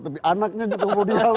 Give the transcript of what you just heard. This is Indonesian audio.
tapi anaknya juga mau dialog